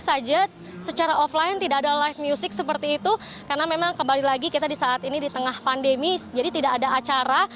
saja secara offline tidak ada live music seperti itu karena memang kembali lagi kita di saat ini di tengah pandemi jadi tidak ada acara